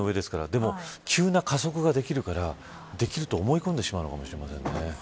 でも急な加速ができるからできると思い込んでしまうのかもしれませんね。